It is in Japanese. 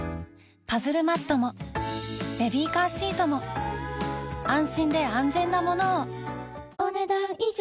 パズルマットもベビーカーシートも安心で安全なものをお、ねだん以上。